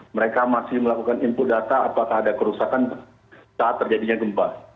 mereka masih melakukan input data apakah ada kerusakan saat terjadinya gempa